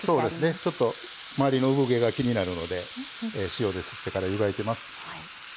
ちょっと周りの産毛が気になるので塩でこすってから湯がいています。